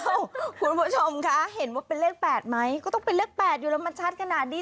คุณผู้ชมคะเห็นว่าเป็นเลข๘ไหมก็ต้องเป็นเลข๘อยู่แล้วมันชัดขนาดนี้